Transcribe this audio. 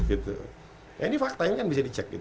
ini fakta ini kan bisa dicek